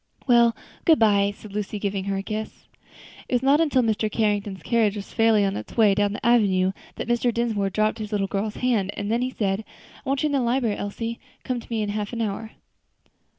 "Well, good bye," said Lucy, giving her a kiss. It was not until Mr. Carrington's carriage was fairly on its way down the avenue, that Mr. Dinsmore dropped his little girl's hand; and then he said, "I want you in the library, Elsie; come to me in half an hour."